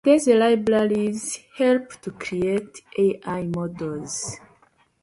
Streets moved in with his dad and transferred to Thornton Township High School.